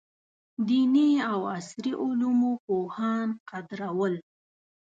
دیني او عصري علومو پوهان قدرول.